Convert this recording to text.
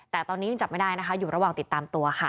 แต่ตอนนี้ยังจับไม่ได้นะคะอยู่ระหว่างติดตามตัวค่ะ